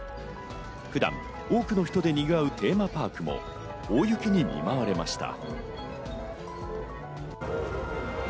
普段多くの人でにぎわうテーマパークも大雪に見舞われました。